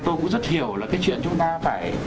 tôi cũng rất hiểu là cái chuyện chúng ta phải